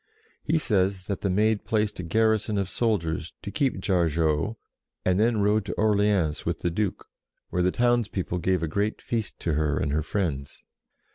He says that the Maid placed a garrison of soldiers to keep Jar geau, and then rode to Orleans with the Duke, where the townspeople gave a great feast to her and her friends.